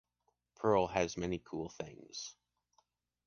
Perl has many cool things.